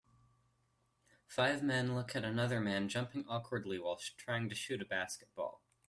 Five men look at another man jumping awkwardly while trying to shoot a basketball.